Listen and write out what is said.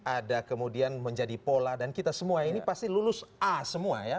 ada kemudian menjadi pola dan kita semua ini pasti lulus a semua ya